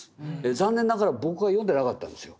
残念ながら僕は読んでなかったんですよ。